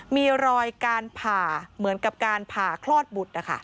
มีรอยการผ่าเหมือนกับการผ่าคลอดบุตร